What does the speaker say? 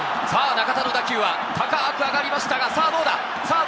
中田の打球は高く上がりましたが、さあどうだ？